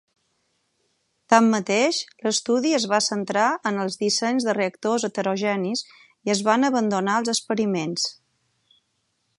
Tanmateix, l'estudi es va centrar en els dissenys de reactors heterogenis i es van abandonar els experiments.